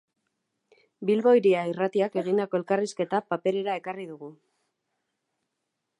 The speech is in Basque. Bilbo Hiria Irratiak egindako elkarrizketa paperera ekarri dugu.